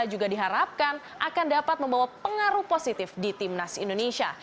juga diharapkan akan dapat membawa pengaruh positif di timnas indonesia